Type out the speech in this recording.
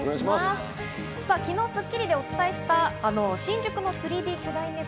昨日『スッキリ』でお伝えした、あの新宿の３Ｄ巨大ネコ。